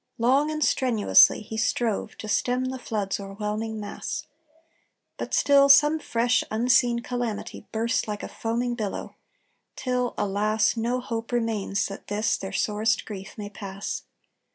Long and strenuously He strove to stem the flood's o'erwhelming mass; But still some fresh unseen calamity Burst like a foaming billow till, alas! No hope remains that this their sorest grief may pass.